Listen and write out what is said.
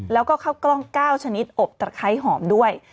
แล้วก็ครับกล้องเกล้าชนิดอบตะไคร้หอมด้วย